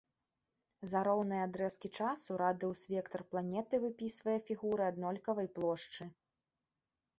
За роўныя адрэзкі часу радыус-вектар планеты выпісвае фігуры аднолькавай плошчы.